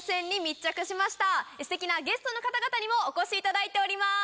ステキなゲストの方々にもお越しいただいております！